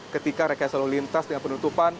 ketika rekayasa lalu lintas dengan penutupan